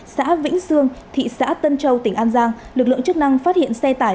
xã vĩnh sương thị xã tân châu tỉnh an giang lực lượng chức năng phát hiện xe tải